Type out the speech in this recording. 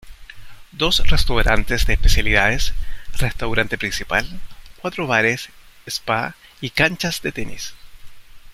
Dos restaurantes de especialidades, restaurante principal, cuatro bares, spa y canchas de tenis.